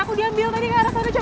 aku diambil dari ke arah sana